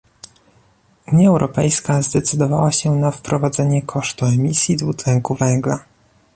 Unia Europejska zdecydowała się na wprowadzenie kosztu emisji dwutlenku węgla